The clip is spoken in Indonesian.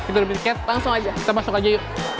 kita udah beli tiket langsung aja kita masuk aja yuk